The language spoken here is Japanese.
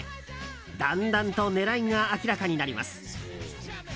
だんだんと狙いが明らかになります。